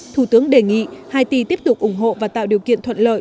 thủ tướng đề nghị haiti tiếp tục ủng hộ và tạo điều kiện thuận lợi